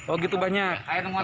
oh gitu banyak